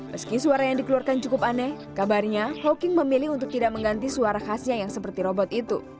meski suara yang dikeluarkan cukup aneh kabarnya hawking memilih untuk tidak mengganti suara khasnya yang seperti robot itu